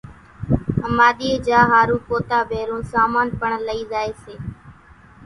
ۿماۮيئين جا ۿارُو پوتا ڀيرون سامان پڻ لئي زائي سي